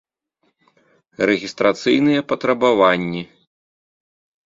Рэгiстрацыйныя патрабаваннi